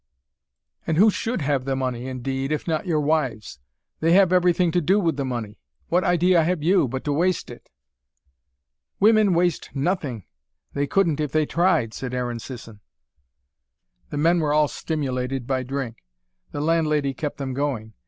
"And who SHOULD have the money, indeed, if not your wives? They have everything to do with the money. What idea have you, but to waste it!" "Women waste nothing they couldn't if they tried," said Aaron Sisson. There was a lull for some minutes. The men were all stimulated by drink. The landlady kept them going.